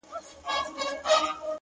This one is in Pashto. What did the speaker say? • چي پخپله څوک په ستونزه کي اخته وي ,